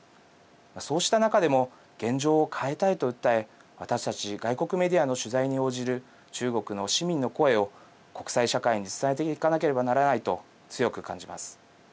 そうした中でも現状を変えたいと訴え私たち外国メディアの取材に応じる中国の市民の声を国際社会に伝えていかなければならないと強く感じます。